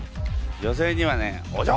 女性にはねお嬢！